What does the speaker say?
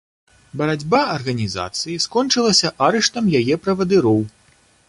Барацьба арганізацыі скончылася арыштам яе правадыроў.